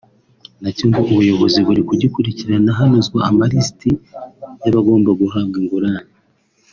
na cyo ngo ubuyobozi buri kugikurikirana hanozwa amarisiti y’abagomba guhabwa ingurane